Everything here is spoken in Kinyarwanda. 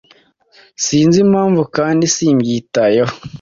Sinzi impamvu kandi simbyitayeho